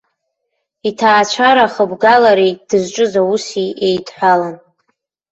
Иҭаацәара ахыбгалареи дызҿыз ауси еидҳәалан.